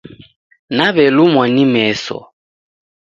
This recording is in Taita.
Nawelumwa ni meso